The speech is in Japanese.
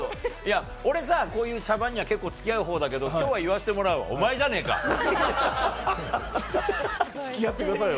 俺さ、こういう茶番には結構付き合うほうだけど今日は言わせてもらうよ。